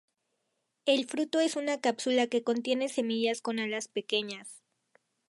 El fruto es una cápsula que contiene semillas con alas pequeñas.